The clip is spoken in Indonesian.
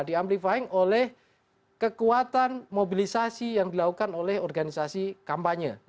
di amplifying oleh kekuatan mobilisasi yang dilakukan oleh organisasi kampanye